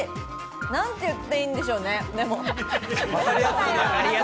何て言っていいのでしょうね。